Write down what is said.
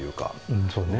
うんそうね。